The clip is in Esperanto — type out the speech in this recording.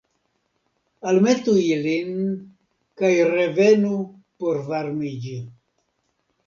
Almetu ilin, kaj revenu por varmiĝi.